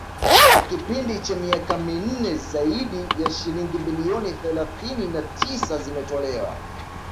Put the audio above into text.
kwa kipindi cha miaka minne zaidi ya shilingi bilioni thelathini na tisa zimetolewa